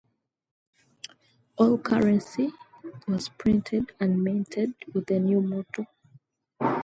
All currency was printed and minted with the new motto.